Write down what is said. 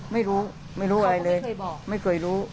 ไม่รู้ไม่รู้อะไรเลยไม่เคยรู้